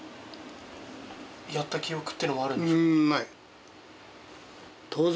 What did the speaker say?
やった記憶っていうのはあるんですか？